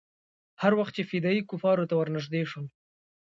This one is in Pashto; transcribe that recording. هر وخت چې فدايي کفارو ته ورنژدې سو.